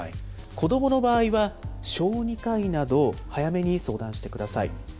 子どもの場合は、小児科医など、早めに相談してください。